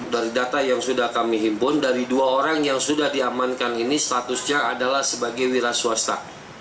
dari data yang sudah kami himpun dari dua orang yang sudah diamankan ini statusnya adalah sebagai wira swasta